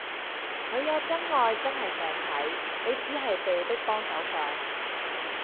佢有真愛真係想睇，你只係被逼幫手搶